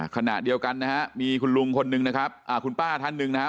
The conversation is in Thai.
ขณะเดียวกันนะฮะมีคุณลุงคนนึงนะครับคุณป้าท่านหนึ่งนะฮะ